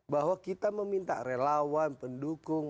bahwa kita meminta relawan pendukung